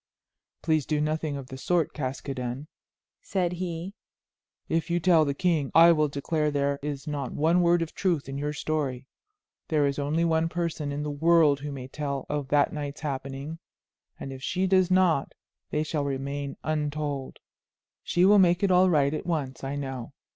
"Please do nothing of the sort, Caskoden," said he; "if you tell the king I will declare there is not one word of truth in your story. There is only one person in the world who may tell of that night's happenings, and if she does not they shall remain untold. She will make it all right at once, I know.